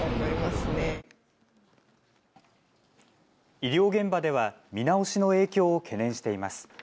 医療現場では見直しの影響を懸念しています。